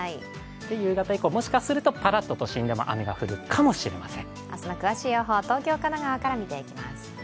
夕方以降、もしかするとパラッと都心でも雨が降るかもしれません。